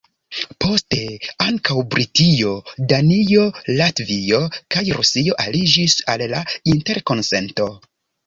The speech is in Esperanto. Poste ankaŭ Britio, Danio, Latvio kaj Rusio aliĝis al la interkonsento.